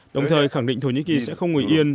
đồng thời khẳng định thổ nhĩ kỳ sẽ không ngủ yên